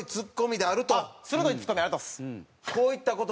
鋭いツッコミありがとうございます。